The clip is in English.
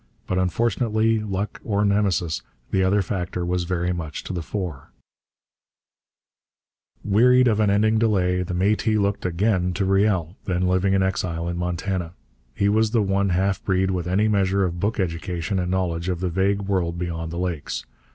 But unfortunately, luck or Nemesis, the other factor was very much to the fore. Wearied of unending delay, the Métis looked again to Riel, then living in exile in Montana. He was the one half breed with any measure of book education and knowledge of the vague world beyond the Lakes.